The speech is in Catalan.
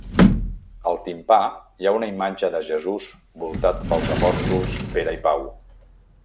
Al timpà hi ha una imatge de Jesús voltat pels apòstols Pere i Pau.